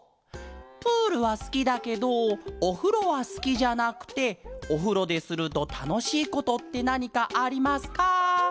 「プールはすきだけどおふろはすきじゃなくておふろでするとたのしいことってなにかありますか？」。